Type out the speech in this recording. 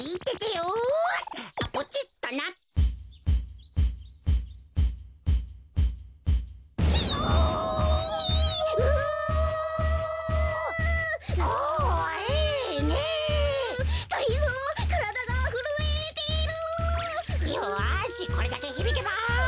よしこれだけひびけば。